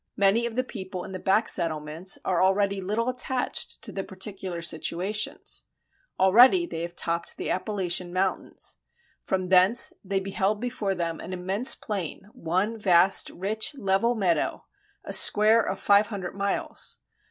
Many of the people in the back settlements are already little attached to particular situations. Already they have topped the Appalachian Mountains. From thence they behold before them an immense plain, one vast, rich, level meadow; a square of five hundred miles.